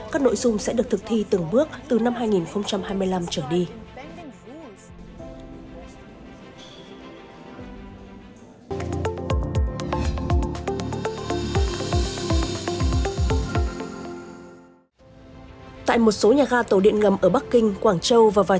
các nội dung sẽ được thực thi từng bước từ năm hai nghìn hai mươi năm trở đi